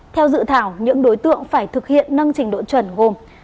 theo dự thảo những đối tượng phải thực hiện nâng trình độ chuẩn gồm